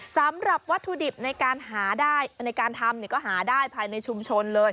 สำหรับวัตถุดิบในการหาได้ในการทำก็หาได้ภายในชุมชนเลย